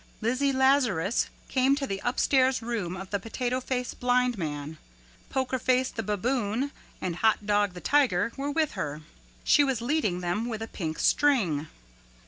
Lizzie Lazarus came to the upstairs room of the Potato Face Blind Man. Poker Face the Baboon and Hot Dog the Tiger were with her. She was leading them with a pink string.